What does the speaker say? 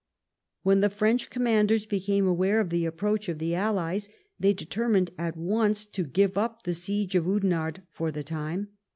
When the French commandera became aware of the approach of the allies they determined at once to give up the siege of Ondenarde for the time.